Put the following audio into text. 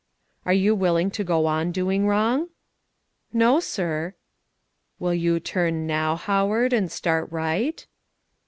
"Are you willing to go on doing wrong?" "No, sir." "Will you turn now, Howard, and start right?"